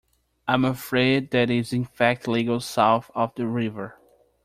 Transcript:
I'm afraid that is in fact legal south of the river.